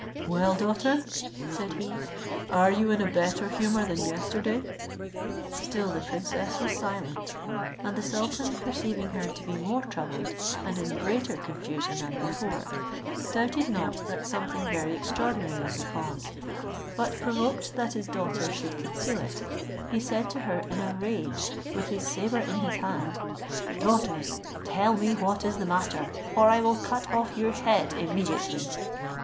"Well daughter," said he, "are you in a better humour than yesterday?" Still the princess was silent, and the sultan perceiving her to be more troubled, and in greater confusion than before, doubted not that something very extraordinary was the cause; but provoked that his daughter should conceal it, he said to her in a rage, with his sabre in his hand, "Daughter, tell me what is the matter, or I will cut off your head immediately."